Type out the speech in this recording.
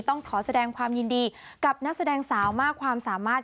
ต้องขอแสดงความยินดีกับนักแสดงสาวมากความสามารถ